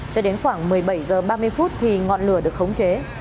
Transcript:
cho đến khoảng một mươi bảy h ba mươi phút thì ngọn lửa được khống chế